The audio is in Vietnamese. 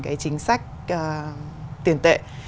cái chính sách tiền tệ